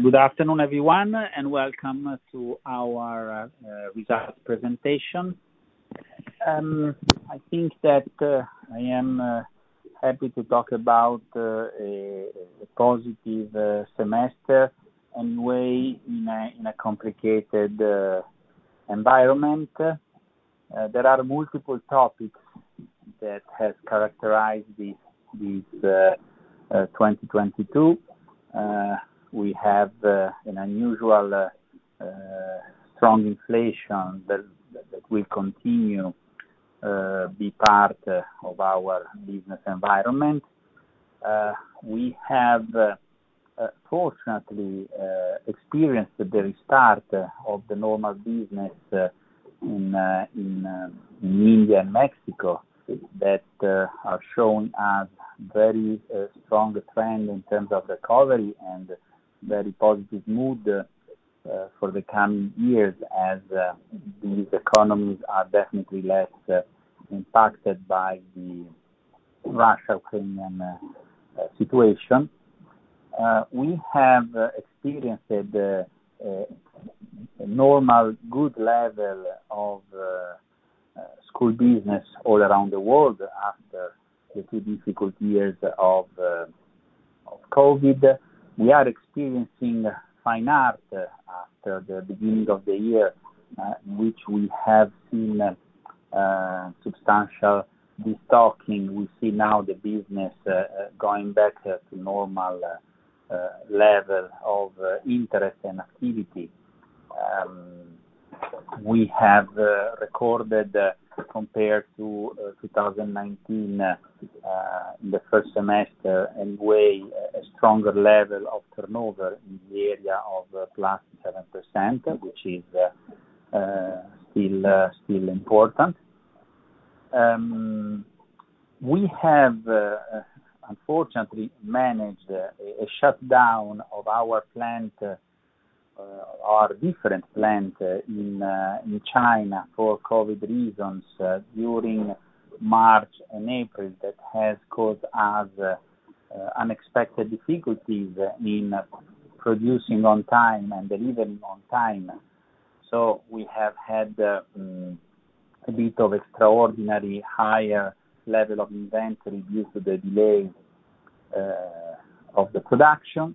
Good afternoon, everyone, and welcome to our results presentation. I think that I am happy to talk about a positive semester in a way in a complicated environment. There are multiple topics that has characterized this 2022. We have an unusual strong inflation that will continue to be part of our business environment. We have fortunately experienced the restart of the normal business in India and Mexico that have shown a very strong trend in terms of recovery and very positive mood for the coming years as these economies are definitely less impacted by the Russia/Ukrainian situation. We have experienced a normal good level of school business all around the world after a few difficult years of COVID. We are experiencing Fine Art after the beginning of the year in which we have seen substantial destocking. We see now the business going back to normal level of interest and activity. We have recorded compared to 2019 in the first semester in a way a stronger level of turnover in the area of +7%, which is still important. We have unfortunately managed a shutdown of our plant, our different plant in China for COVID reasons during March and April. That has caused us unexpected difficulties in producing on time and delivering on time. We have had a bit of extraordinary higher level of inventory due to the delays of the production.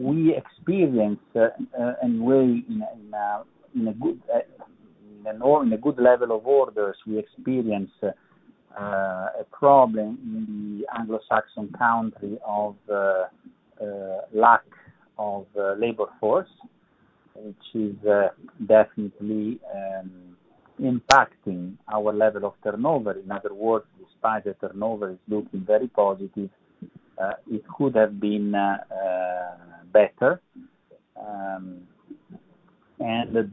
We experience in a good level of orders a problem in the Anglo-Saxon countries with a lack of labor force, which is definitely impacting our level of turnover. In other words, despite the turnover is looking very positive, it could have been better.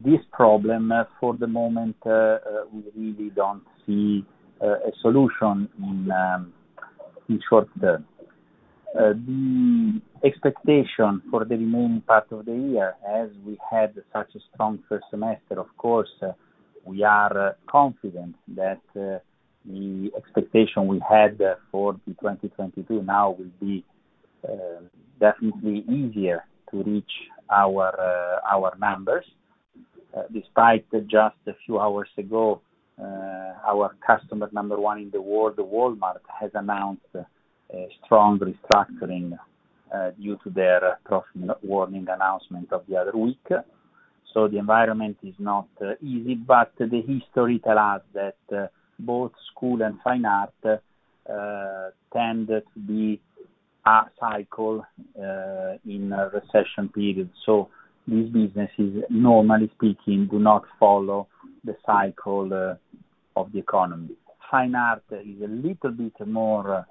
This problem, for the moment, we really don't see a solution in short term. The expectation for the remaining part of the year, as we had such a strong first semester, of course, we are confident that, the expectation we had, for the 2022 now will be, definitely easier to reach our numbers, despite just a few hours ago, our customer number one in the world, Walmart, has announced a strong restructuring, due to their profit warning announcement of the other week. The environment is not easy, but the history tell us that, both school and fine art, tend to be acyclical, in a recession period. These businesses, normally speaking, do not follow the cycle, of the economy. Fine art is a little bit more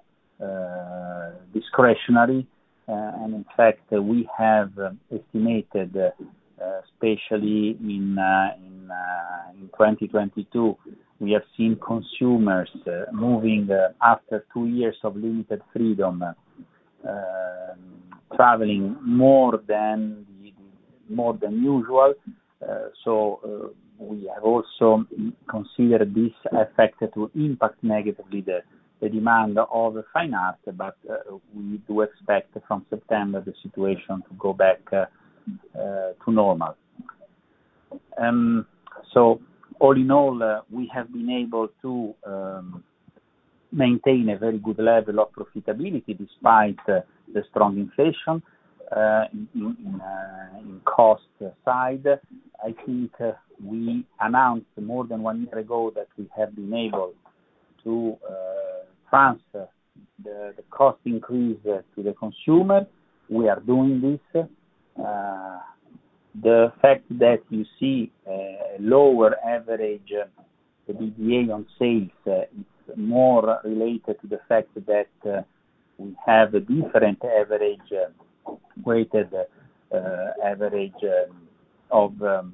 discretionary. In fact, we have estimated, especially in 2022, we have seen consumers moving after two years of limited freedom, traveling more than usual. We have also considered this effect to impact negatively the demand of Fine Art, but we do expect from September the situation to go back to normal. All in all, we have been able to maintain a very good level of profitability despite the strong inflation in cost side. I think we announced more than one year ago that we have been able to transfer the cost increase to the consumer. We are doing this. The fact that you see a lower average EBITDA on sales, it's more related to the fact that we have a different average weighted average of the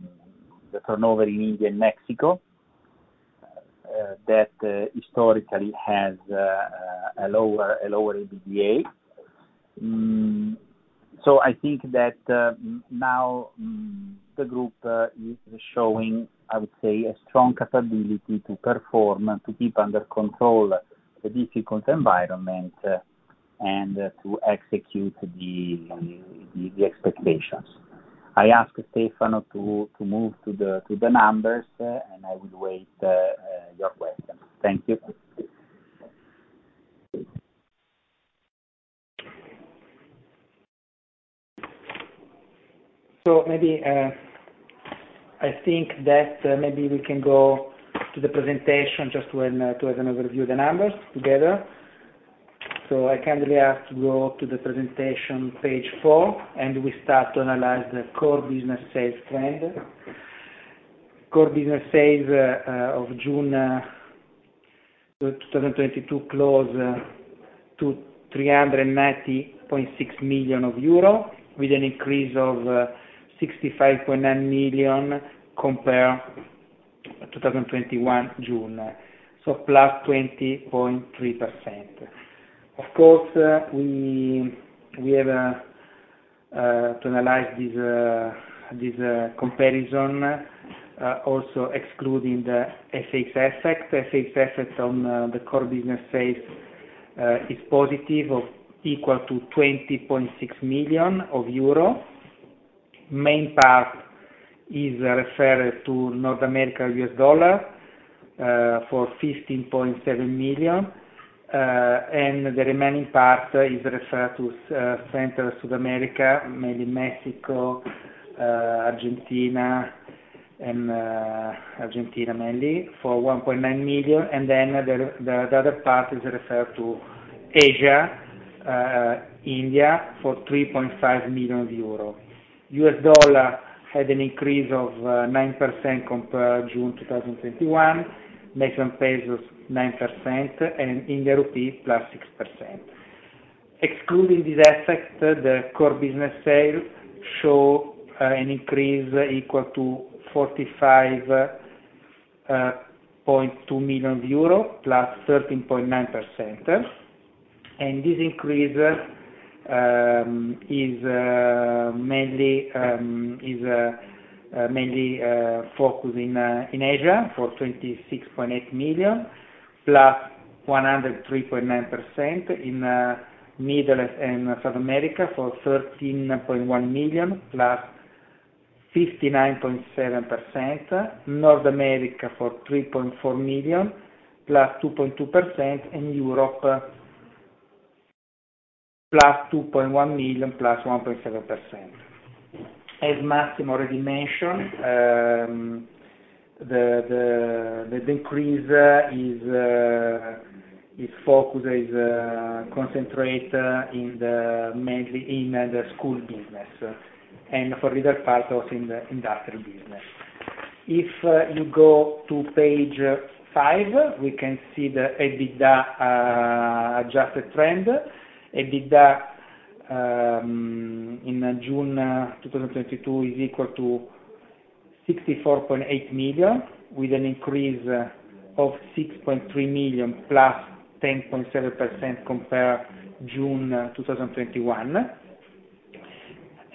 turnover in India and Mexico that historically has a lower EBITDA. I think that now the group is showing, I would say, a strong capability to perform, to keep under control the difficult environment, and to execute the expectations. I ask Stefano to move to the numbers, and I will wait your questions. Thank you. Maybe I think that maybe we can go to the presentation just when to have an overview of the numbers together. I kindly ask to go to the presentation page 4, and we start to analyze the core business sales trend. Core business sales of June 2022 close to 390.6 million euro, with an increase of 65.9 million compared to June 2021. Plus 20.3%. Of course, we have to analyze this comparison also excluding the FX effects. FX effects on the core business sales is positive equal to 20.6 million euro. Main part is referred to North America U.S. dollar for $15.7 million, and the remaining part is referred to Central South America, mainly Mexico, Argentina mainly for $1.9 million. The other part is referred to Asia, India for 3.5 million euro. U.S. dollar had an increase of 9% compared June 2021. Mexican pesos, 9%, and Indian rupee, +6%. Excluding this effect, the core business sales show an increase equal to 45.2 million euro +13.9%. This increase is mainly focused in Asia for 26.8 million +103.9% in Middle and South America for 13.1 million +59.7%. North America for 3.4 million +2.2%, and Europe plus EUR 2.1 million +1.7%. As Massimo already mentioned, the decrease is concentrated mainly in the school business. For other part, also in the industrial business. If you go to page 5, we can see the EBITDA adjusted trend. EBITDA in June 2022 is equal to 64.8 million, with an increase of 6.3 million +10.7% compared June 2021.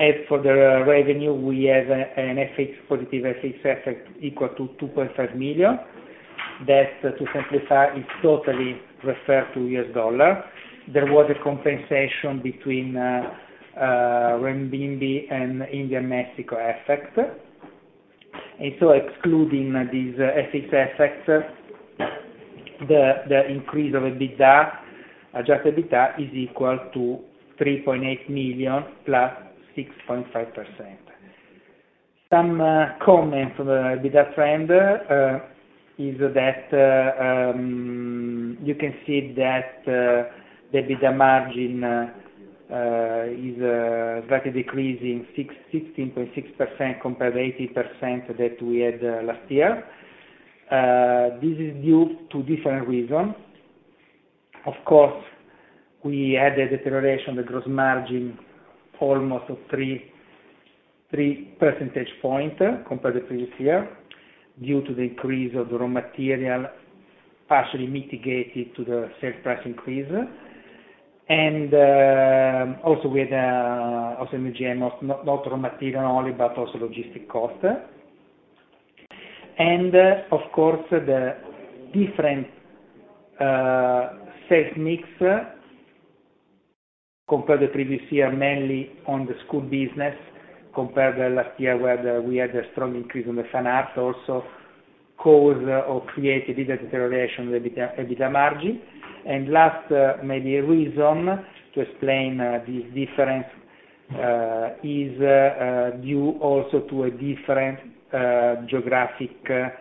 As for the revenue, we have an FX positive FX effect equal to $2.5 million. That, to simplify, is totally referred to U.S. dollar. There was a compensation between renminbi and Indian and Mexican effect. Excluding these FX effects, the increase of EBITDA, adjusted EBITDA is equal to 3.8 million +6.5%. Some comment from the EBITDA trend is that you can see that the EBITDA margin is slightly decreasing 16.6% compared to 18% that we had last year. This is due to different reasons. Of course, we had a deterioration of the gross margin almost of 3 percentage points compared to previous year, due to the increase of the raw material partially mitigated by the sales price increase. also with also GM, not raw material only, but also logistics costs. Of course, the different sales mix compared to previous year, mainly on the school business compared to last year, where we had a strong increase in the fine arts also, causes or creates a bigger deterioration in the EBITDA margin. Last, maybe reason to explain this difference is due also to a different geographic sales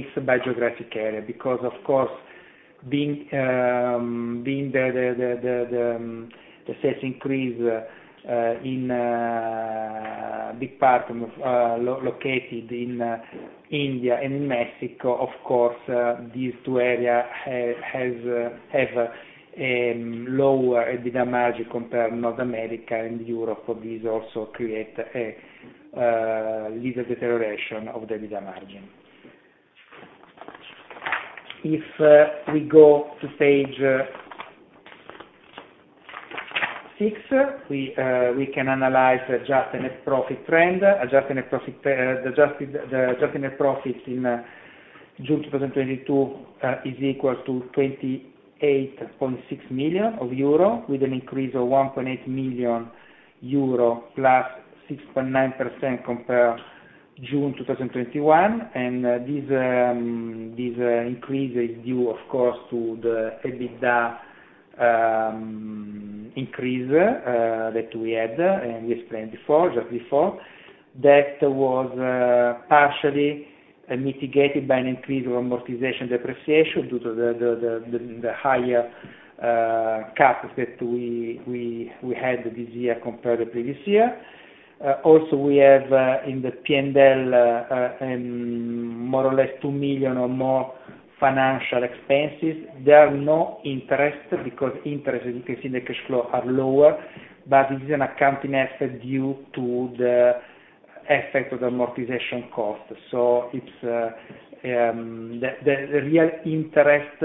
mix by geographic area. Because, of course, being the sales increase in big part located in India and in Mexico, of course, these two areas have lower EBITDA margin compared North America and Europe. This also creates a little deterioration of the EBITDA margin. If we go to page 6, we can analyze adjusted net profit trend. Adjusted net profit, the adjusted net profits in June 2022 is equal to 28.6 million euro, with an increase of 1.8 million euro +6.9% compared June 2021. This increase is due, of course, to the EBITDA increase that we had, and we explained before, just before. That was partially mitigated by an increase of amortization depreciation due to the higher CAPEX that we had this year compared to previous year. Also we have in the P&L more or less 2 million or more financial expenses. There are no interest because interest, you can see in the cash flow, are lower, but it is an accounting effect due to the effect of the amortized cost. The real interest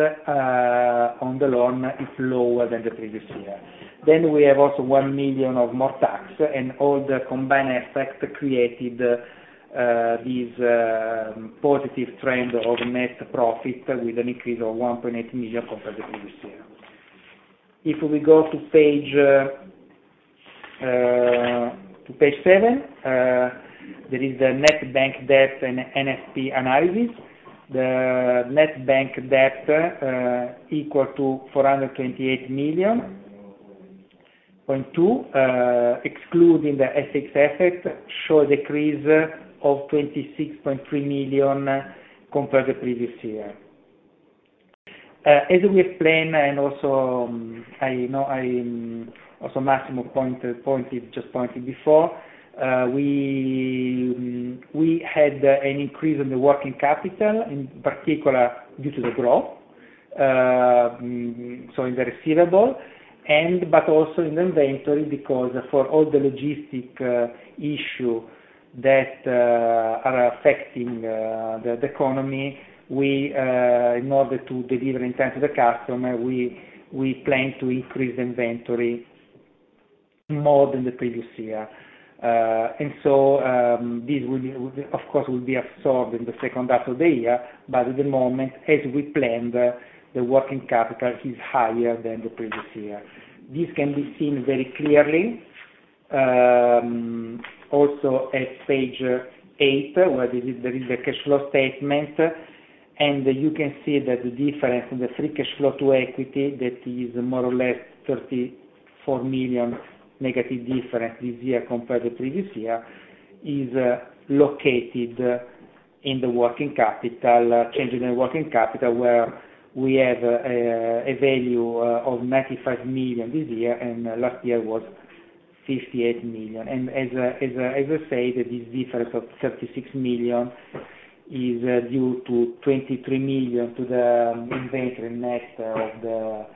on the loan is lower than the previous year. We have also 1 million of more tax, and all the combined effect created this positive trend of net profit with an increase of 1.8 million compared to previous year. If we go to page seven, that is the net bank debt and NFP analysis. The net bank debt equal to 428.2 million, excluding the FX effect, show a decrease of 26.3 million compared to previous year. Massimo pointed just before, we had an increase in the working capital, in particular due to the growth, so in the receivable. But also in the inventory because for all the logistic issue that are affecting the economy, in order to deliver in time to the customer, we plan to increase inventory more than the previous year. This will, of course, be absorbed in the second half of the year. At the moment, as we planned, the working capital is higher than the previous year. This can be seen very clearly, also at page eight, where there is a cash flow statement. You can see that the difference in the free cash flow to equity, that is more or less 34 million negative difference this year compared to previous year, is located in the working capital change in the working capital, where we have a value of 95 million this year, and last year was 58 million. As I say, this difference of 36 million is due to 23 million to the inventory net of the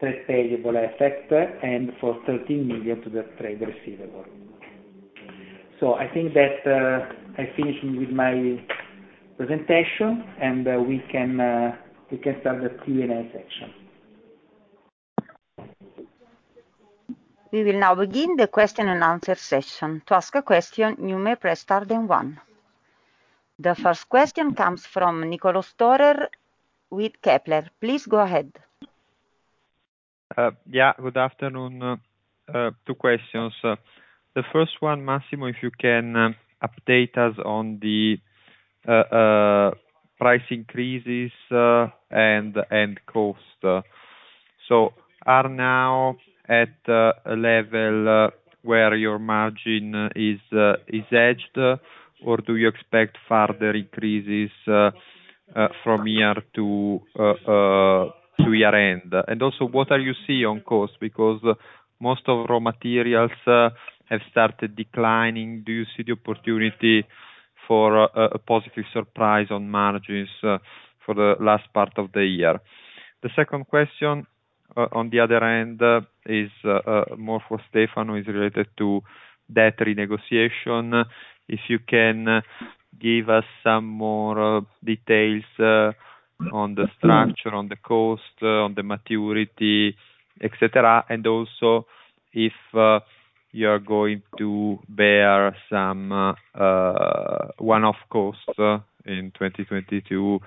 trade payable effect and for 13 million to the trade receivable. I think that I finished with my presentation, and we can start the Q&A section. We will now begin the question and answer session. To ask a question, you may press star then one. The first question comes from Niccolò Storer with Kepler Cheuvreux Please go ahead. Good afternoon. Two questions. The first one, Massimo, if you can update us on the price increases and cost. Are now at a level where your margin is hedged or do you expect further increases from here to year-end? What do you see on cost? Because most of raw materials have started declining. Do you see the opportunity for a positive surprise on margins for the last part of the year? The second question, on the other hand, is more for Stefano, is related to debt renegotiation. If you can give us some more details on the structure, on the cost, on the maturity, etc. Also, if you are going to bear some one-off costs in 2022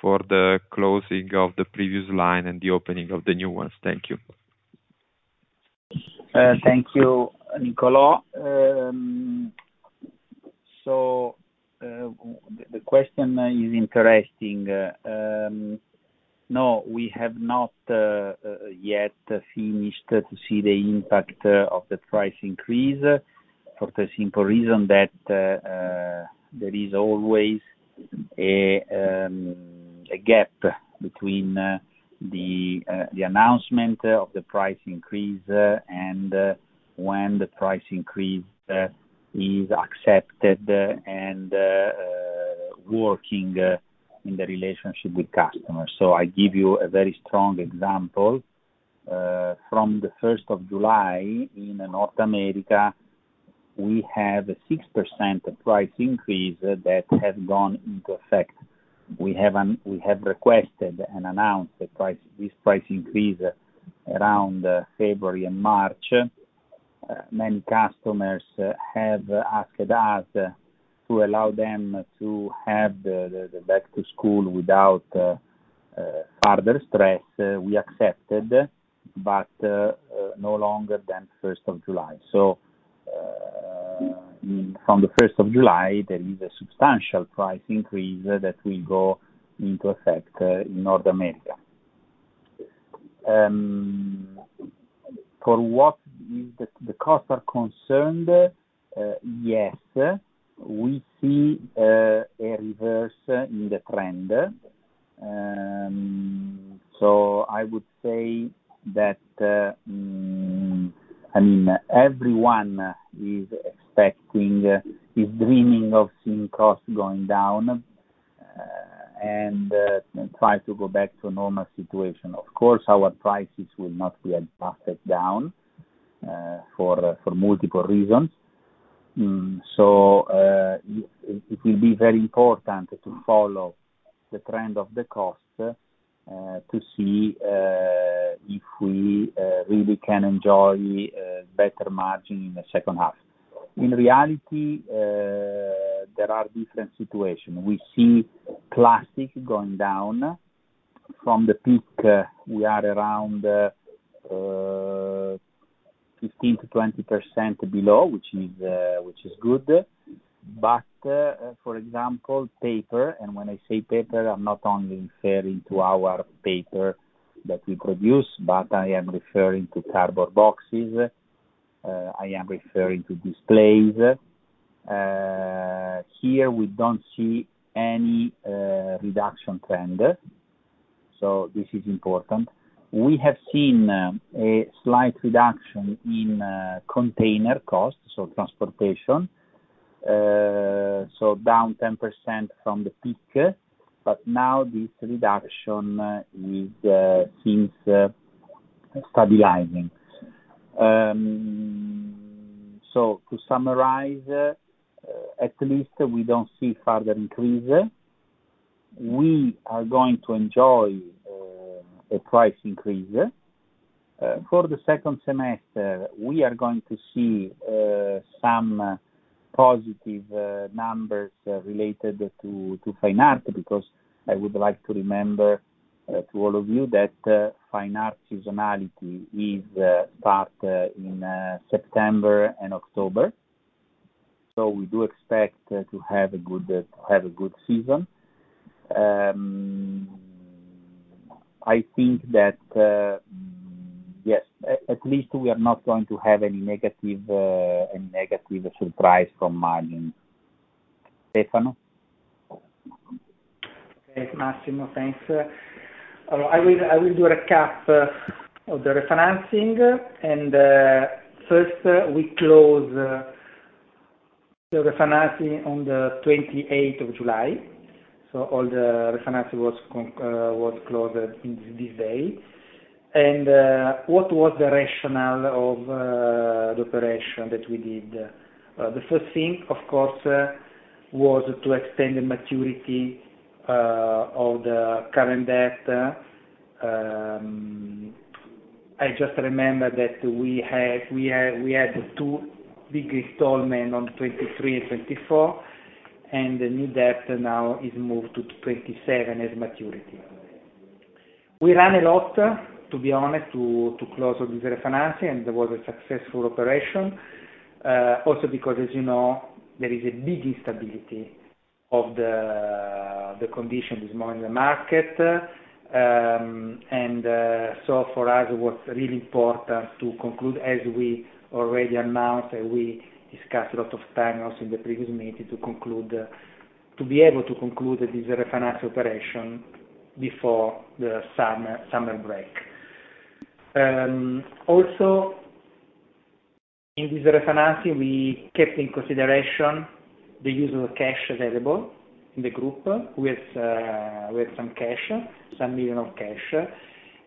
for the closing of the previous line and the opening of the new ones. Thank you. Thank you, Niccolò. The question is interesting. No, we have not yet finished to see the impact of the price increase for the simple reason that there is always a gap between the announcement of the price increase and when the price increase is accepted and working in the relationship with customers. I give you a very strong example. From the first of July in North America. We have a 6% price increase that has gone into effect. We have requested and announced this price increase around February and March. Many customers have asked us to allow them to have the back to school without further stress. We accepted, but no longer than first of July. From the first of July, there is a substantial price increase that will go into effect in North America. For what is the costs are concerned, yes, we see a reverse in the trend. I would say that, I mean, everyone is dreaming of seeing costs going down, and try to go back to a normal situation. Of course, our prices will not be adjusted down, for multiple reasons. It will be very important to follow the trend of the cost, to see if we really can enjoy better margin in the second half. In reality, there are different situation. We see plastic going down. From the peak, we are around 15%-20% below, which is good. For example, paper, and when I say paper, I'm not only referring to our paper that we produce, but I am referring to cardboard boxes, I am referring to displays. Here, we don't see any reduction trend, so this is important. We have seen a slight reduction in container costs, so transportation. Down 10% from the peak, but now this reduction seems stabilizing. To summarize, at least we don't see further increase. We are going to enjoy a price increase. For the second semester, we are going to see some positive numbers related to Fine Art, because I would like to remember to all of you that Fine Art seasonality starts in September and October. We do expect to have a good season. I think that yes, at least we are not going to have any negative surprise from margin. Stefano? Yes, Massimo, thanks. I will do a recap of the refinancing. First, we closed the refinancing on the 28th of July. All the refinancing was closed on this day. What was the rationale of the operation that we did? The first thing, of course, was to extend the maturity of the current debt. I just remember that we had two big installments on 2023 and 2024, and the new debt now is moved to 2027 as maturity. We ran a lot, to be honest, to close this refinancing, and it was a successful operation. Also because as you know, there is a big instability of the market conditions. For us, it was really important to conclude, as we already announced. We discussed a lot of times in the previous meeting to be able to conclude this refinance operation before the summer break. Also, in this refinancing, we kept in consideration the use of cash available in the group. We have some cash, some million of cash.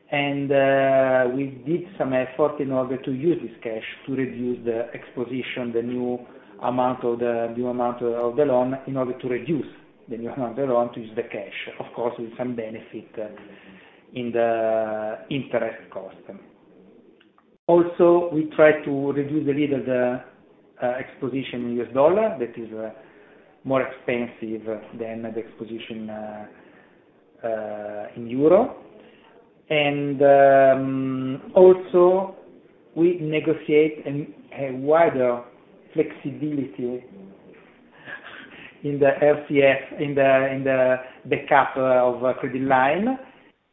We did some effort in order to use this cash to reduce the exposure, the new amount of the loan, in order to reduce the new amount of the loan to use the cash, of course, with some benefit in the interest cost. Also, we try to reduce a little the exposure in U.S. dollar that is more expensive than the exposure in euro. Also we negotiate a wider flexibility in the RCF, in the backup of credit line.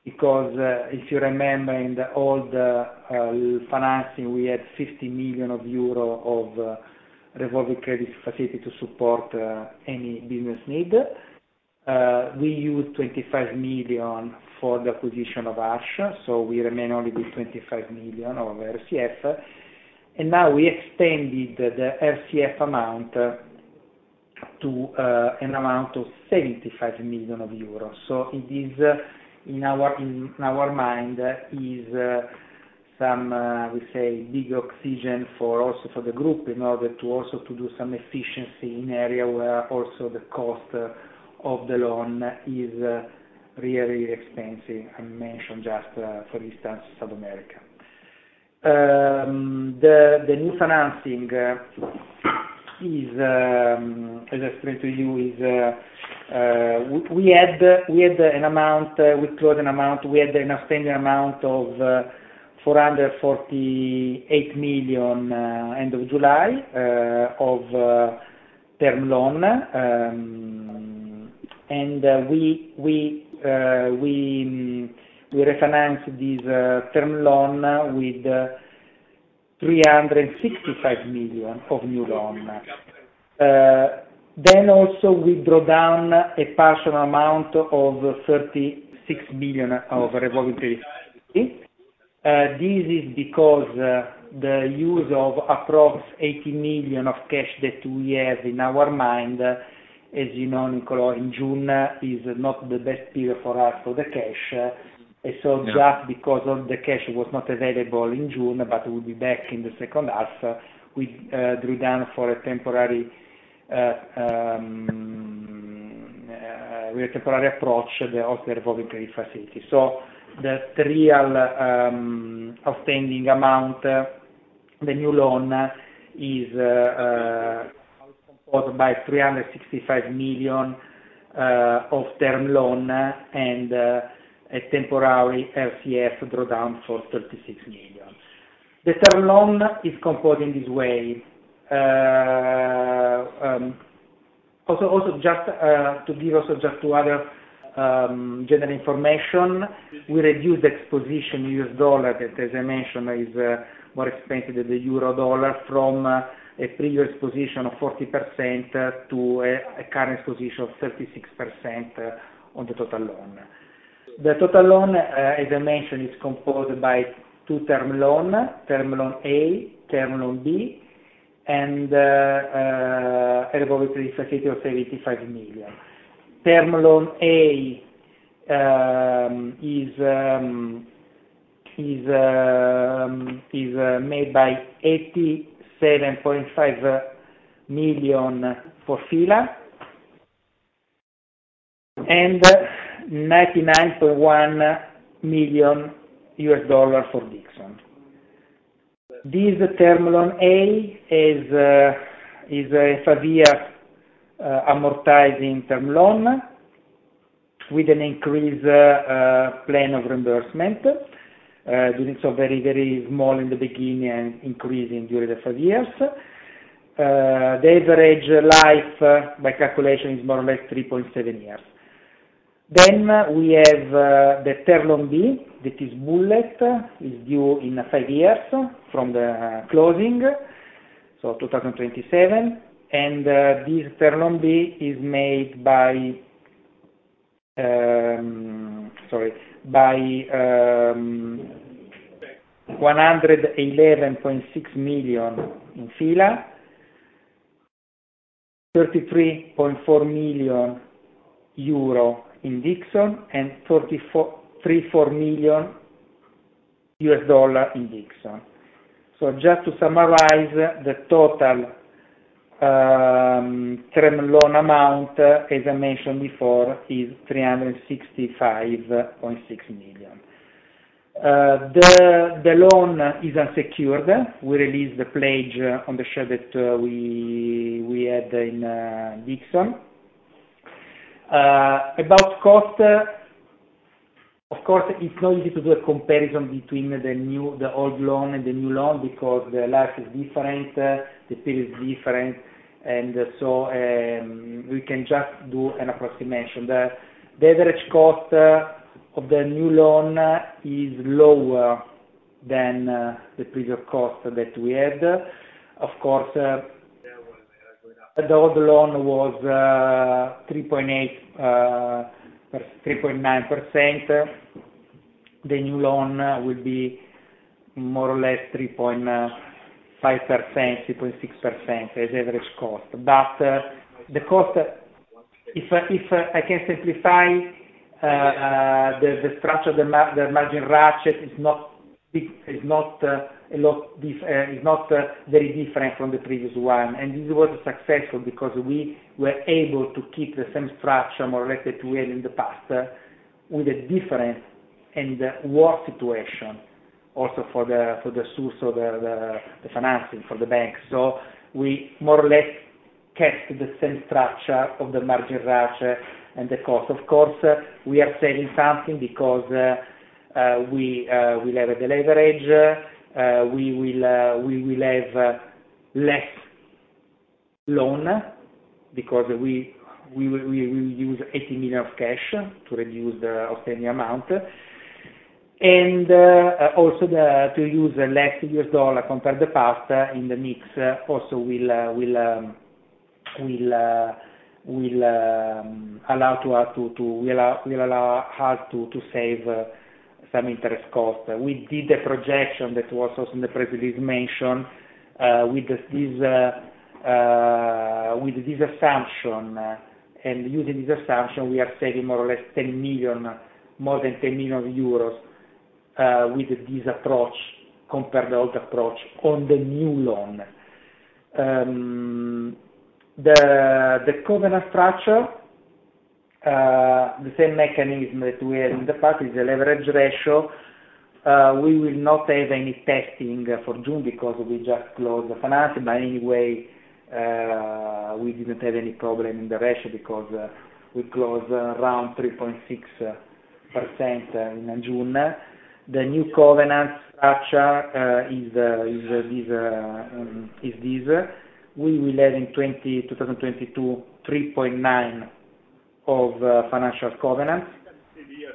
Because if you remember in the old financing, we had 50 million euro of revolving credit facility to support any business need. We used 25 million for the acquisition of Arches, so we remain only with 25 million of RCF. Now we extended the RCF amount to an amount of EUR 75 million. It is in our mind some we say big oxygen for also for the group in order to also to do some efficiency in area where the cost of the loan is really expensive. I mentioned just for instance, South America. The new financing is, as I explained to you, we had an outstanding amount of 448 million end of July of term loan. We refinance this term loan with 365 million of new loan. We also draw down a partial amount of 36 million of revolving credit. This is because the use of approx 80 million of cash that we have on hand, as you know, Niccolò, in June is not the best period for us for the cash. Yeah. Just because of the cash was not available in June, but will be back in the second half, we temporarily approached the revolving credit facility. The real outstanding amount, the new loan, is composed by 365 million of term loan and a temporary RCF draw down for 36 million. The term loan is composed in this way. Also, just to give other general information, we reduced exposure U.S. dollar that, as I mentioned, is more expensive than the euro dollar from a previous position of 40% to a current position of 36% on the total loan. The total loan, as I mentioned, is composed of two term loans, term loan A, term loan B, and a revolving credit facility of 75 million. Term loan A is of 87.5 million for F.I.L.A. and $99.1 million for Dixon. This term loan A is a 5-year amortizing term loan with an increasing plan of reimbursement. Very very small in the beginning and increasing during the 5 years. The average life, by calculation, is more or less 3.7 years. We have the term loan B that is bullet is due in 5 years from the closing, so 2027. This term loan B is made by 111.6 million in F.I.L.A., 33.4 million euro in Dixon and $44.34 million in Dixon. Just to summarize, the total term loan amount, as I mentioned before, is 365.6 million. The loan is unsecured. We released the pledge on the share that we had in Dixon. About cost, of course, it's not easy to do a comparison between the old loan and the new loan because the life is different, the period is different, we can just do an approximation. The average cost of the new loan is lower than the previous cost that we had. Of course, the old loan was 3.8%-3.9%. The new loan would be more or less 3.5%-3.6% as average cost. The cost, if I can simplify, the structure of the margin ratchet is not very different from the previous one. This was successful because we were able to keep the same structure more or less that we had in the past, with a different and worse situation also for the source of the financing for the bank. We more or less kept the same structure of the margin ratchet and the cost. Of course, we are saving something because we lower the leverage. We will have less loan because we will use 80 million of cash to reduce the outstanding amount and also to use less U.S. dollar compared to the past. In the mix also will allow us to save some interest cost. We did a projection that was also mentioned in the press release with this assumption and using this assumption we are saving more than 10 million euros with this approach compared to old approach on the new loan. The covenant structure the same mechanism that we have in the past is the leverage ratio. We will not have any testing for June because we just closed the financing, but anyway, we didn't have any problem in the ratio because we closed around 3.6% in June. The new covenant structure is this. We will have in 2022, 3.9 of financial covenants.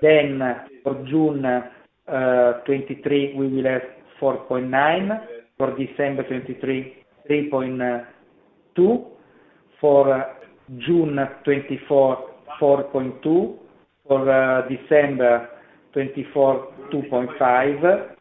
Then for June 2023, we will have 4.9, for December 2023, 3.2, for June 2024, 4.2, for December 2024, 2.5, for June 2025, 3.5, for December 2025, 1.75, for June 2026, 2.75, for December 2026, 1.6, for June 2027, 2, for December 2027, that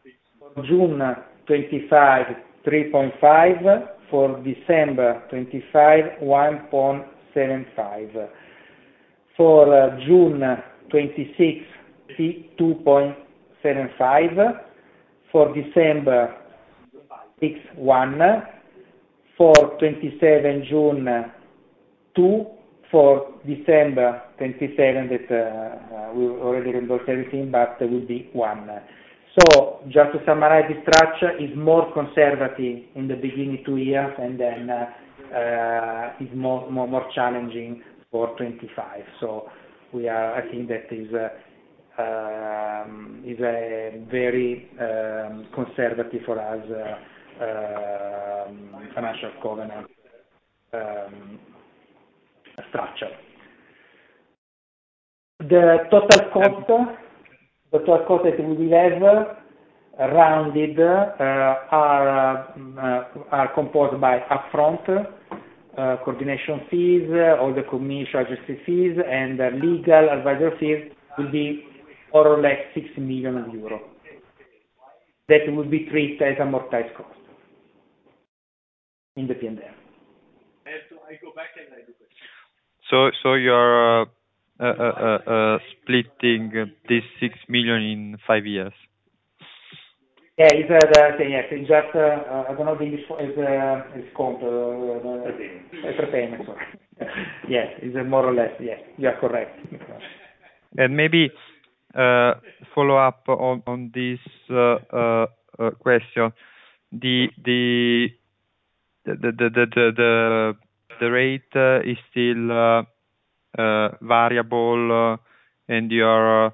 we already reimbursed everything, but it will be 1. Just to summarize, the structure is more conservative in the beginning two years and then is more challenging for 2025. I think that is a very conservative for us financial covenant structure. The total cost that we will have rounded are composed by upfront coordination fees, all the commission agency fees, and legal advisor fees will be more or less 60 million euro. That will be treated as amortized cost in the P&L. You're splitting this 6 million in 5 years? Yeah. It's the same. Yes. It's just, I don't know the English for it. It's count. Prepayment. Prepayment. Sorry. Yeah. It's more or less. Yeah. You are correct. Maybe follow up on this question. The rate is still variable and you're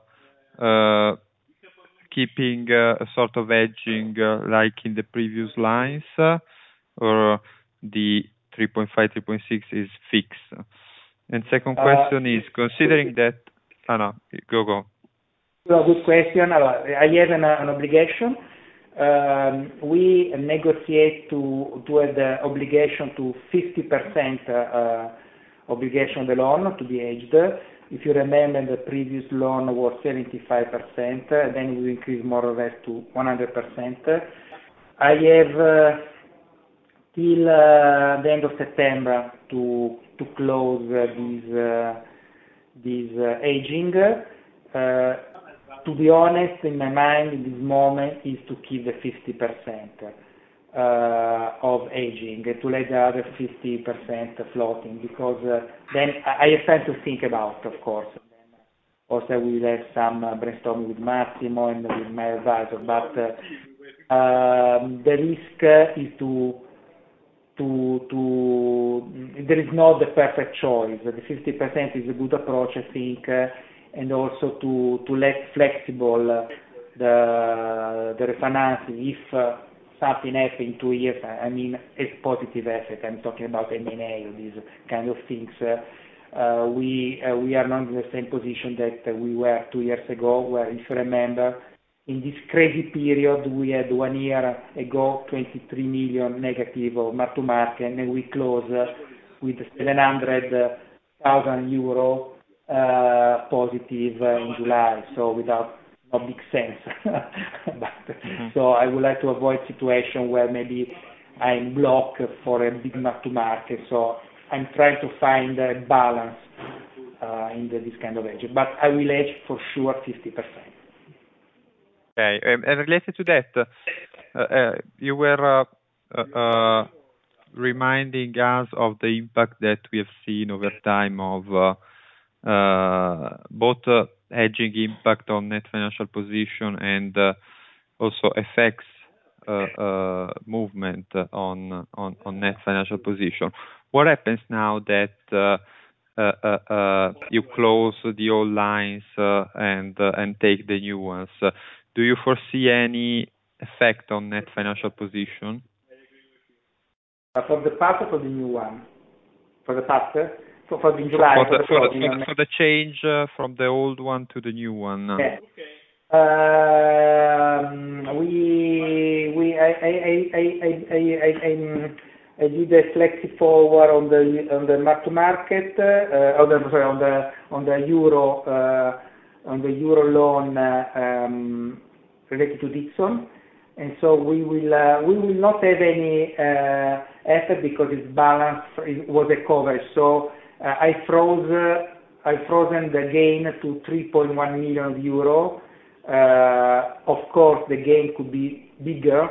keeping a sort of hedging like in the previous lines or the 3.5, 3.6 is fixed? Second question is considering that I don't know. Go. Well, good question. I have an obligation. We negotiate to have the obligation to 50% obligation on the loan to be hedged. If you remember, the previous loan was 75%, then we increased more or less to 100%. I have till the end of September to close these hedging. To be honest, in my mind, this moment is to keep the 50% of hedging to let the other 50% floating because then I have time to think about, of course. Also, we will have some brainstorming with Massimo and with my advisor. The risk is to. There is not the perfect choice. The 50% is a good approach, I think, and also to let flexible the refinance if something happen in two years, I mean, a positive asset. I'm talking about M&A or these kind of things. We are not in the same position that we were two years ago, where if you remember, in this crazy period, we had one year ago, 23 million negative of mark-to-market, and then we closed with 700,000 euro positive in July. Without a big sense I would like to avoid situation where maybe I'm blocked for a big mark-to-market. I'm trying to find a balance, in this kind of hedging. I will hedge for sure 50%. Okay. Related to that, you were reminding us of the impact that we have seen over time of both hedging impact on Net Financial Position and also FX movement on Net Financial Position. What happens now that you close the old lines and take the new ones? Do you foresee any effect on Net Financial Position? For the past or for the new one? For the past? For the July For the change from the old one to the new one now. Okay. I did a flexible forward on the mark-to-market on the euro loan related to Dixon. We will not have any asset because its balance was a coverage. I froze the gain to 3.1 million euro. Of course, the gain could be bigger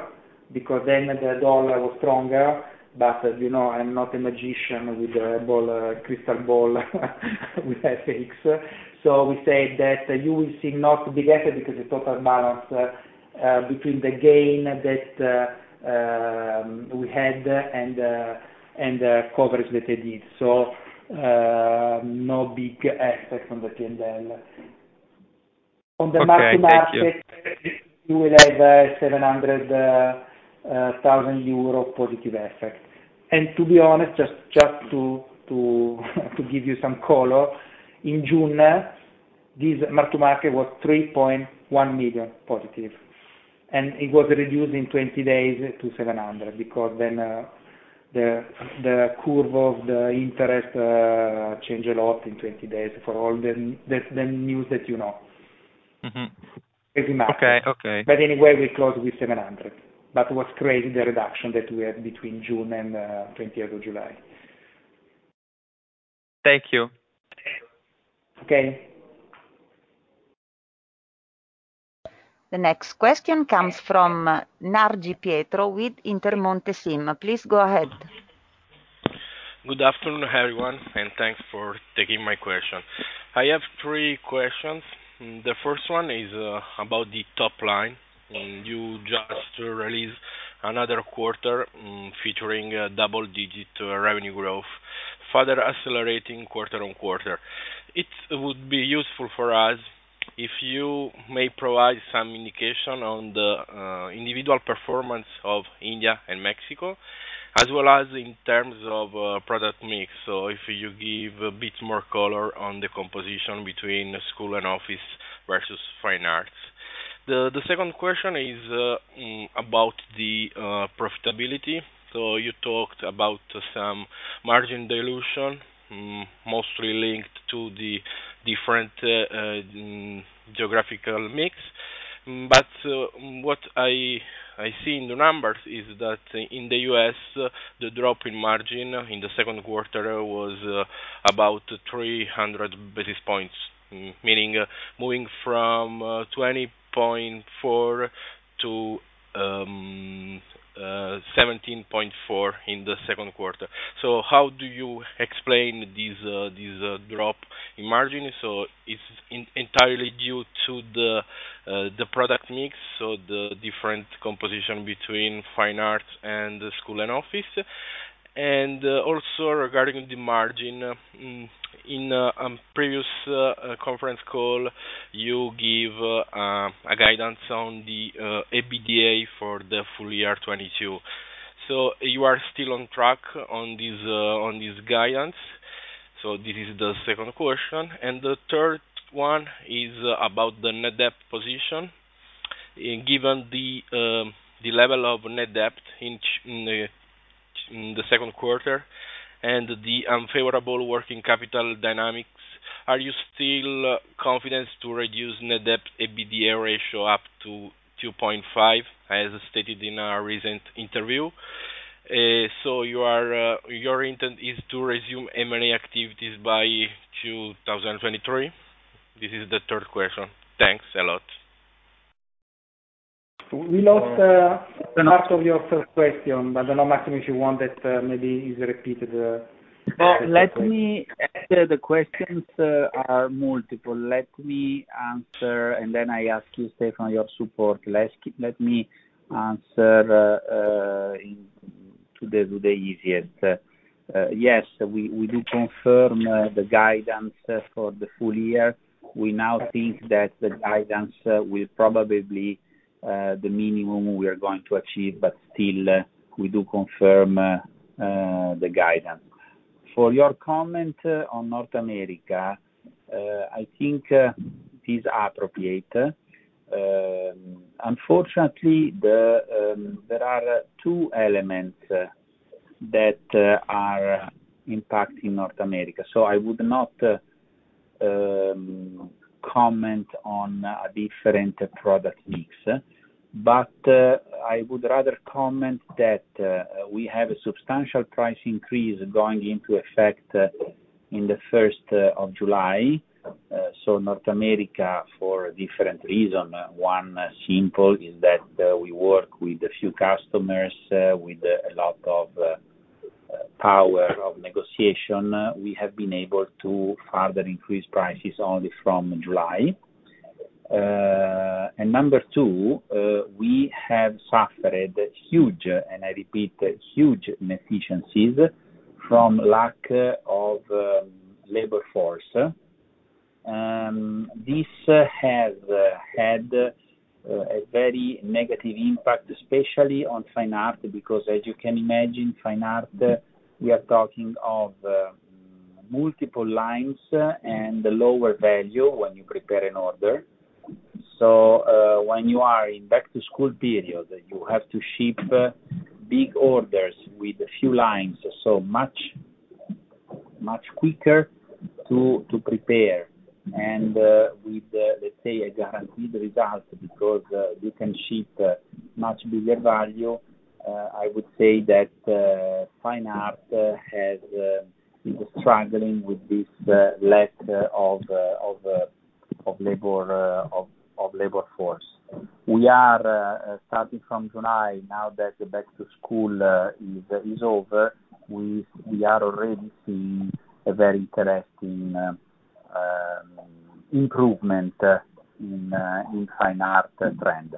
because then the U.S. dollar was stronger. As you know, I'm not a magician with a crystal ball with FX. We say that you will see not big asset because the total balance between the gain that we had and the coverage that I did. No big asset from the NFP. Okay. Thank you. On the mark-to-market, you will have 700 thousand euro positive effect. To be honest, just to give you some color, in June, this mark-to-market was 3.1 million positive, and it was reduced in 20 days to 700 thousand because then, the curve of the interest changed a lot in 20 days for all the news that you know.It's market. Okay. Okay. Anyway, we closed with 700. That was crazy, the reduction that we had between June and 20th of July. Thank you. Okay. The next question comes from Pietro Nargi with Intermonte SIM. Please go ahead. Good afternoon, everyone, and thanks for taking my question. I have three questions. The first one is about the top line. You just released another quarter featuring double-digit revenue growth, further accelerating quarter-on-quarter. It would be useful for us if you may provide some indication on the individual performance of India and Mexico, as well as in terms of product mix. If you give a bit more color on the composition between school and office versus fine arts. The second question is about the profitability. You talked about some margin dilution, mostly linked to the different geographical mix. I see in the numbers is that in the U.S., the drop in margin in the second quarter was about 300 basis points, meaning moving from 20.4% to 17.4% in the second quarter. How do you explain this drop in margin? Is it entirely due to the product mix, so the different composition between Fine Art and the school and office? Also regarding the margin, in previous conference call, you give a guidance on the EBITDA for the full year 2022. You are still on track on this guidance. This is the second question. The third one is about the net debt position. Given the level of net debt in the second quarter and the unfavorable working capital dynamics, are you still confident to reduce net debt EBITDA ratio up to 2.5, as stated in our recent interview? You are, your intent is to resume M&A activities by 2023? This is the third question. Thanks a lot. We lost part of your first question. I don't know, Massimo, if you want it, maybe is repeated separately. The questions are multiple. Let me answer and then I ask you, Stefano, your support. Let me answer today easier. Yes, we do confirm the guidance for the full year. We now think that the guidance will probably be the minimum we are going to achieve, but still, we do confirm the guidance. For your comment on North America, I think these are appropriate. Unfortunately, there are two elements that are impacting North America. I would not comment on a different product mix. I would rather comment that we have a substantial price increase going into effect in the first of July. North America, for a different reason, one simple is that we work with a few customers with a lot of power of negotiation. We have been able to further increase prices only from July. Number two, we have suffered huge, and I repeat, huge inefficiencies from lack of labor force. This has had a very negative impact, especially on Fine Art, because as you can imagine, Fine Art, we are talking of multiple lines and the lower value when you prepare an order. When you are in back to school period, you have to ship big orders with a few lines, so much quicker to prepare. With let's say, a guaranteed result because you can ship much bigger value. I would say that Fine Art has been struggling with this lack of labor force. We are starting from July, now that the back to school is over, we are already seeing a very interesting improvement in Fine Art trend.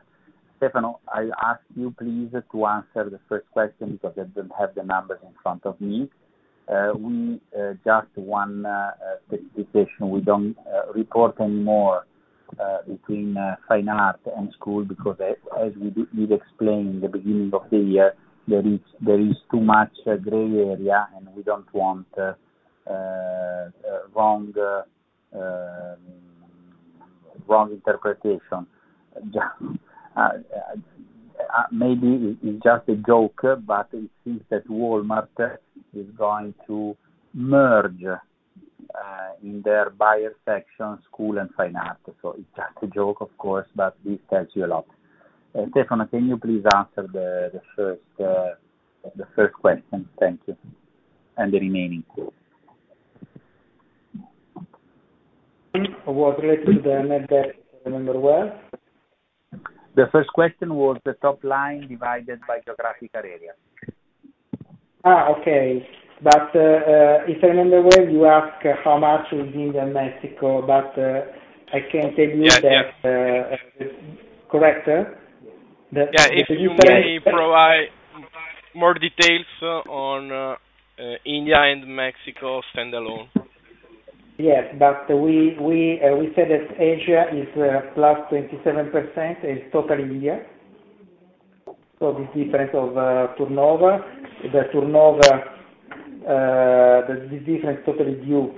Stefano, I ask you please to answer the first question because I don't have the numbers in front of me. We have just one specification. We don't report anymore between Fine Art and school because as we did, we've explained in the beginning of the year, there is too much gray area, and we don't want wrong interpretation. Maybe it's just a joke, but it seems that Walmart is going to merge in their buyer section, school and Fine Art. It's just a joke, of course, but this tells you a lot. Stefano, can you please answer the first question. Thank you. The remaining two. Regarding the net debt, if I remember well? The first question was the top line divided by geographical area. Okay. If I remember well, you asked how much within Mexico, but I can tell you that. Yes, yes. Correct, sir? Yeah. If you may provide more details on India and Mexico standalone. Yes. We said that Asia is +27% is totally India. This difference of turnover totally due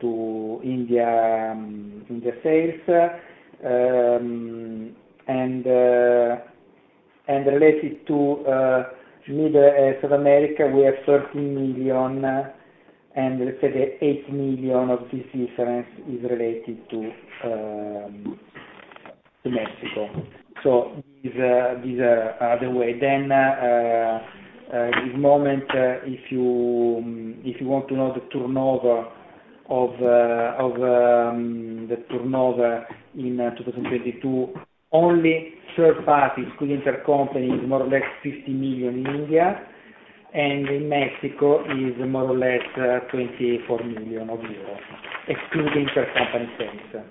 to India sales. Related to Middle and South America, we have 13 million, and let's say that 8 million of this difference is related to Mexico. These are the way. At this moment, if you want to know the turnover in 2022, only third-party including intercompany is more or less 50 million in India, and in Mexico is more or less 24 million euros, excluding intercompany sales.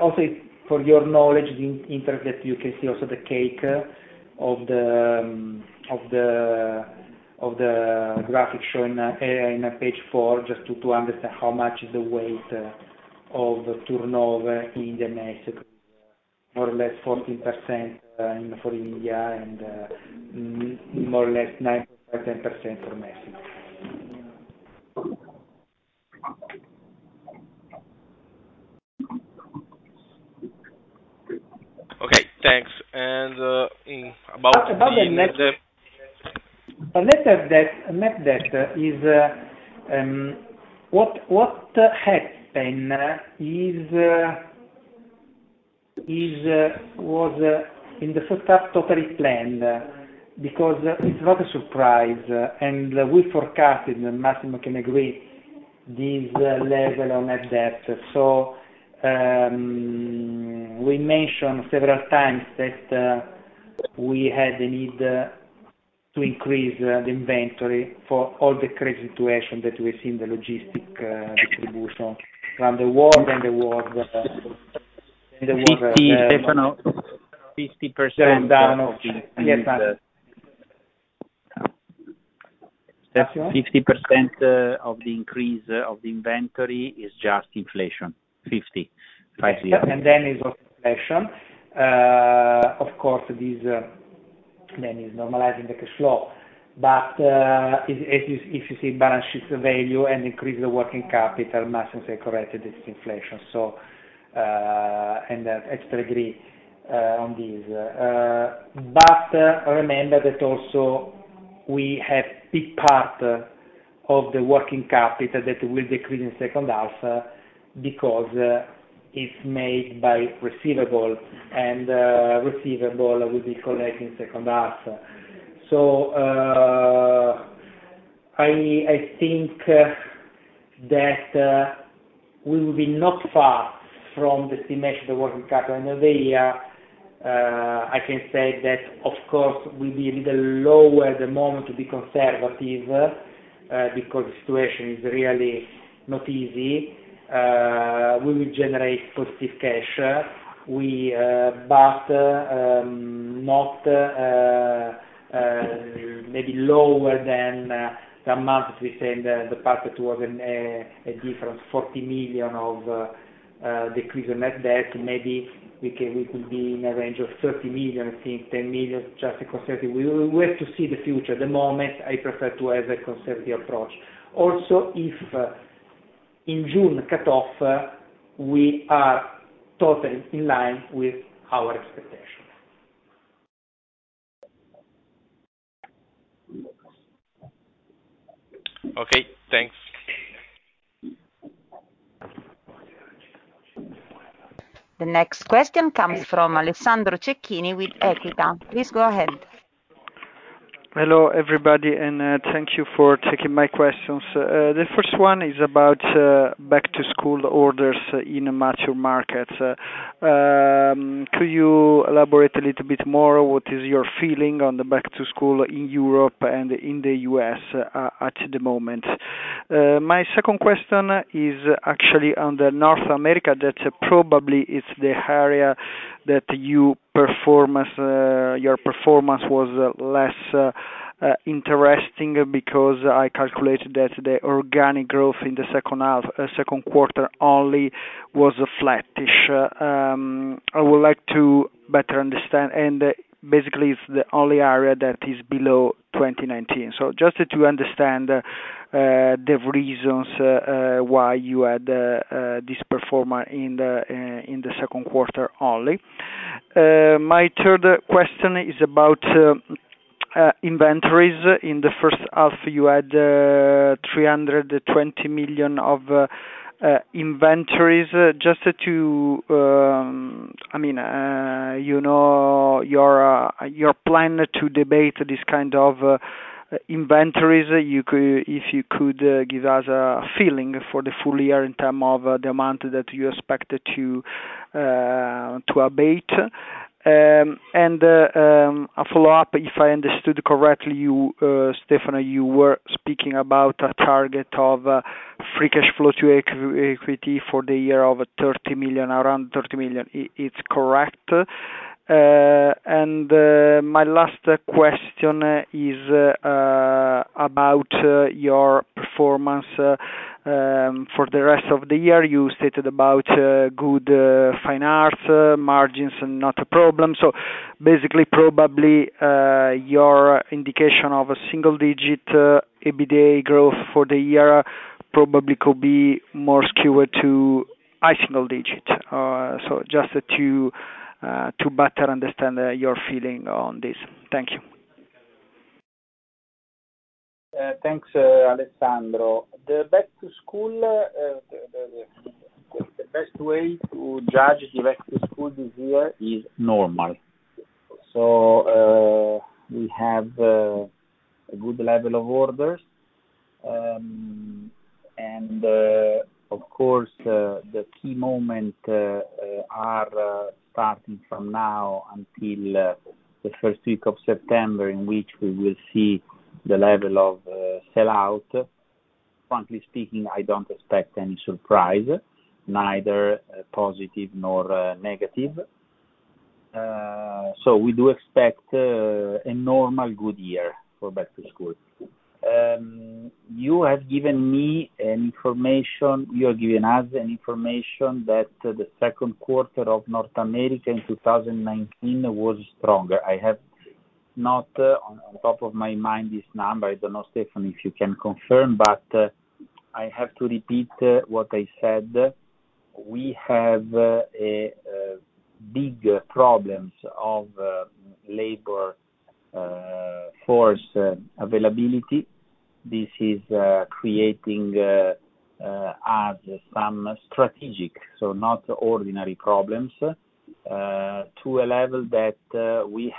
Also for your knowledge, in the interest that you can see also the make-up of the graphic showing in page 4, just to understand how much is the weight of turnover in Mexico. More or less 14% in India and more or less 9.5%-10% for Mexico. Okay, thanks. About the net A net debt is what happened was in the first half, totally planned because it's not a surprise, and we forecasted, and Massimo can agree, this level of net debt. We mentioned several times that we had the need to increase the inventory for all the crazy situation that we see in the logistics distribution around the world. 50, Stefano, 50% of the Yes. 50% of the increase of the inventory is just inflation. 50, five-zero. is also inflation. Of course, this is normalizing the cash flow. If you see balance sheet value and increase the working capital, Massimo say correctly, this is inflation. And I totally agree on this. But remember that also we have big part of the working capital that will decrease in second half, because it's made by receivable, and receivable will be collected in second half. I think that we will be not far from the estimation of the working capital end of the year. I can say that, of course, we'll be a little lower at the moment to be conservative, because the situation is really not easy. We will generate positive cash. But maybe lower than The amount that we said the path towards a different 40 million of decrease in net debt, maybe we could be in a range of 30 million, I think 10 million, just to be conservative. We have to see the future. At the moment, I prefer to have a conservative approach. Also, if in June cutoff, we are totally in line with our expectations. Okay, thanks. The next question comes from Alessandro Cecchini with Equita. Please go ahead. Hello, everybody, and thank you for taking my questions. The first one is about back to school orders in mature markets. Could you elaborate a little bit more, what is your feeling on the back to school in Europe and in the U.S. at the moment? My second question is actually on North America. That's probably the area where your performance was less interesting because I calculated that the organic growth in the second quarter only was flattish. I would like to better understand. Basically, it's the only area that is below 2019. Just to understand the reasons why you had this performance in the second quarter only. My third question is about inventories. In the first half, you had 320 million of inventories. Just to, I mean, you know, your plan to abate this kind of inventories, if you could give us a feeling for the full year in terms of the amount that you expect it to abate. And a follow-up, if I understood correctly, you, Stefano, you were speaking about a target of free cash flow to equity for the year of 30 million, around 30 million. It's correct? And my last question is about your performance for the rest of the year. You stated about good Fine Art margins and not a problem. Basically, probably, your indication of a single-digit EBITDA growth for the year probably could be more skewed to high single-digit. Just to better understand your feeling on this. Thank you. Thanks, Alessandro. The best way to judge the back to school this year is normal. We have a good level of orders. Of course, the key moment are starting from now until the first week of September, in which we will see the level of sellout. Frankly speaking, I don't expect any surprise, neither positive nor negative. We do expect a normal good year for back to school. You have given us an information that the second quarter of North America in 2019 was stronger. I have not on top of my mind this number. I don't know, Stefano, if you can confirm, but I have to repeat what I said. We have big problems of labor force availability. This is creating us some strategic, so not ordinary problems to a level that we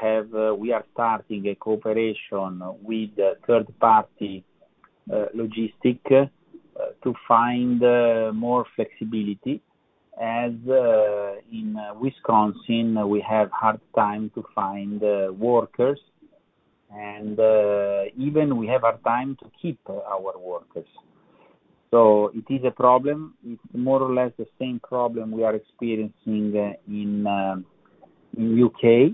are starting a cooperation with a third party logistic to find more flexibility, as in Wisconsin, we have hard time to find workers. Even we have a hard time to keep our workers. It is a problem. It's more or less the same problem we are experiencing in U.K.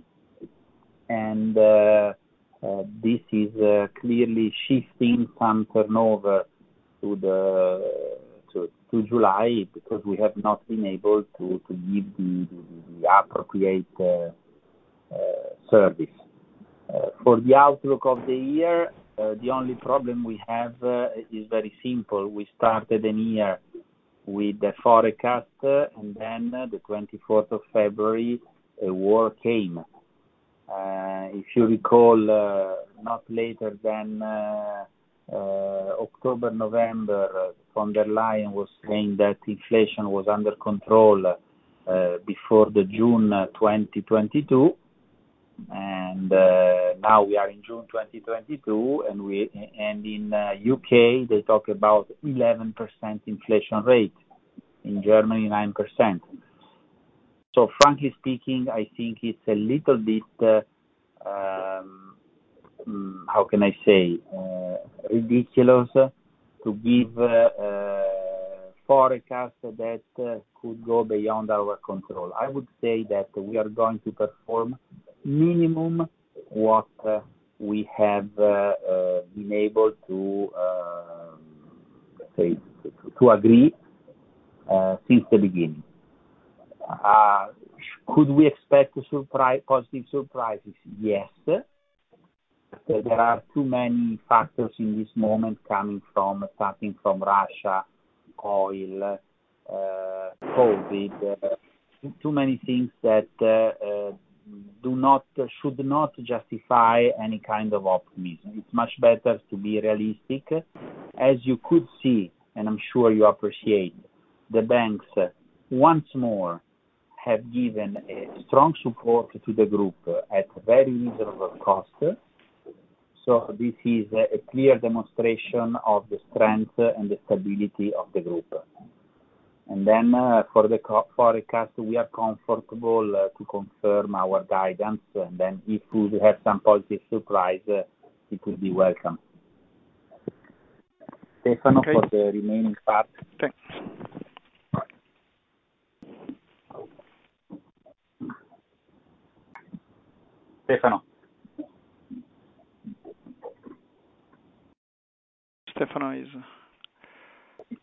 This is clearly shifting some turnover to July because we have not been able to give the appropriate service. For the outlook of the year, the only problem we have is very simple. We started a year with a forecast, and then the 24th of February, a war came. If you recall, not later than October, November, Von der Leyen was saying that inflation was under control before the June 2022. Now we are in June 2022, and in U.K., they talk about 11% inflation rate. In Germany, 9%. Frankly speaking, I think it's a little bit ridiculous to give forecast that could go beyond our control. I would say that we are going to perform minimum what we have been able to say to agree since the beginning. Could we expect positive surprises? Yes. There are too many factors in this moment coming from starting from Russia, oil, COVID. Too many things that do not should not justify any kind of optimism. It's much better to be realistic. As you could see, and I'm sure you appreciate, the banks once more have given a strong support to the group at very reasonable cost. This is a clear demonstration of the strength and the stability of the group. For the company forecast, we are comfortable to confirm our guidance. If we have some positive surprise, it will be welcome. Stefano, for the remaining part. Okay. Thanks. Stefano? Stefano is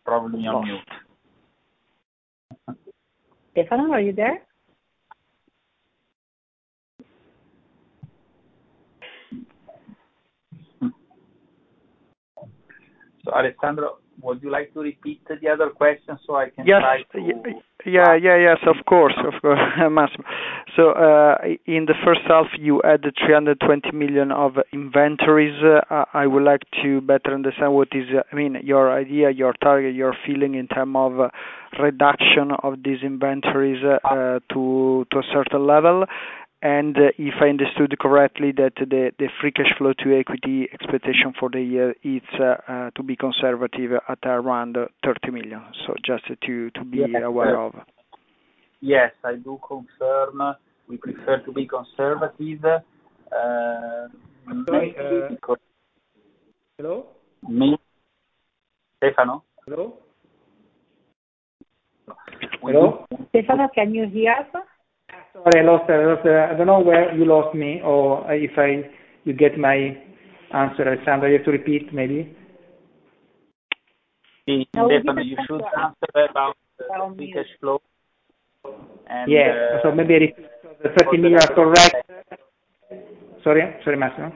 Probably on mute. Stefano, are you there? Alessandro, would you like to repeat the other question so I can try to. Yes, of course. Of course, Stefano. In the first half you had 320 million of inventories. I would like to better understand what is, I mean, your idea, your target, your feeling in terms of reduction of these inventories to a certain level. If I understood correctly, the free cash flow to equity expectation for the year is to be conservative at around 30 million. Just to be aware of. Yes, I do confirm. We prefer to be conservative, mainly because. I'm sorry, hello? Stefano? Hello? Hello? Stefano, can you hear us? Sorry, I lost. I don't know where you lost me or if I. You get my answer, Alessandro. You have to repeat, maybe. No, we can hear you. We're on mute. Stefano, you should answer about the free cash flow and, Yes. Maybe I repeat. The 30 million are correct. Sorry, Massimo.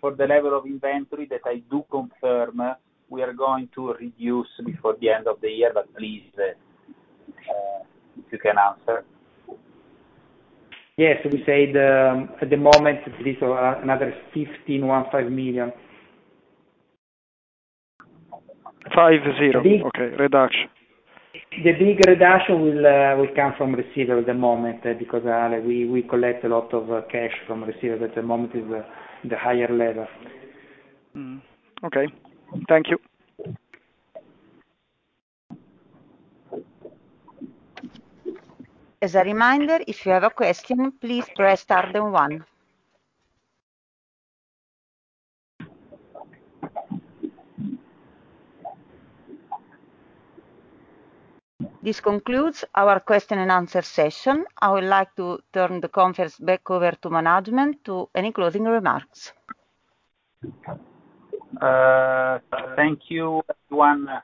For the level of inventory that I do confirm, we are going to reduce before the end of the year. Please, if you can answer. Yes. We say at the moment it is another 50 million. 50. The big Okay, reduction. The big reduction will come from receivables at the moment, because we collect a lot of cash from receivables at the moment is the higher level. Okay. Thank you. As a reminder, if you have a question, please press star then one. This concludes our question and answer session. I would like to turn the conference back over to management to any closing remarks. Thank you everyone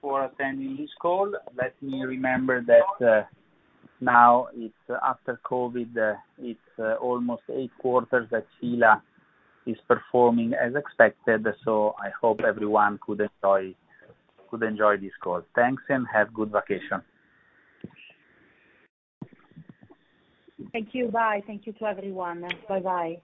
for attending this call. Let me remind that, now it's after COVID, it's almost eight quarters that F.I.L.A. is performing as expected. I hope everyone could enjoy this call. Thanks, and have good vacation. Thank you. Bye. Thank you to everyone. Bye-bye.